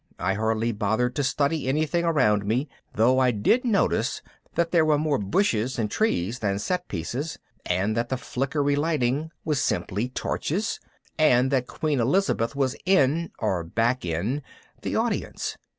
I hardly bothered to study anything around me, though I did notice that there were more bushes and trees than set pieces, and that the flickery lightning was simply torches and that Queen Elizabeth was in (or back in) the audience.